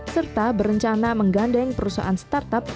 serta berencana menggandeng perusahaan startup